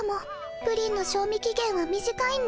プリンの賞味期限は短いんです。